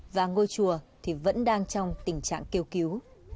và ngôi chùa thì vẫn đang trong tình trạng kêu cứu